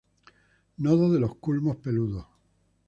Nodos de los culmos peludos.